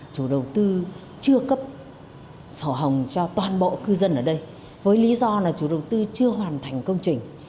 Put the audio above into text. chủ đầu tư chưa cấp sổ hồng cho toàn bộ cư dân ở đây với lý do là chủ đầu tư chưa hoàn thành công trình